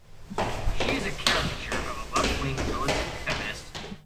She is a caricature of a left-wing militant feminist.